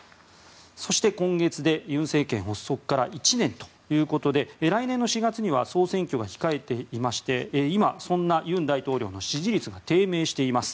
そして、今月で尹政権発足から１年ということで来年４月には総選挙が控えていまして今、そんな尹大統領の支持率が低迷しています。